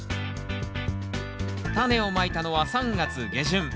タネをまいたのは３月下旬。